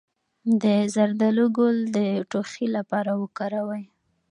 د زردالو ګل د ټوخي لپاره وکاروئ